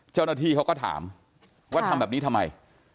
เจ้าหน้าที่เขาก็ถามว่าทำแบบนี้ทำไม